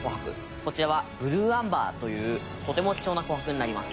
こちらはブルーアンバーというとても貴重な琥珀になります。